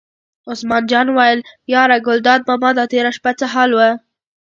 عثمان جان وویل: یاره ګلداد ماما دا تېره شپه څه حال و.